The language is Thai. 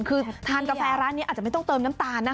คือทานกาแฟร้านนี้อาจจะไม่ต้องเติมน้ำตาลนะคะ